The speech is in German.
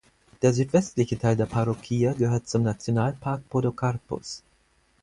Der südwestliche Teil der Parroquia gehört zum Nationalpark Podocarpus.